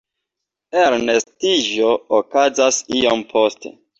Elnestiĝo okazas iom poste.